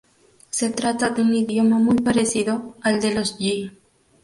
Se trata de un idioma muy parecido al de los yi.